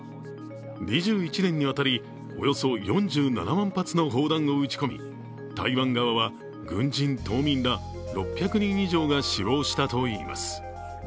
２１年にわたりおよそ４７万発の砲弾を撃ち込み台湾側は軍人、島民ら６００人以上が死亡したといいます。